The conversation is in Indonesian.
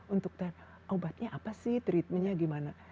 untuk obatnya apa sih treatmentnya gimana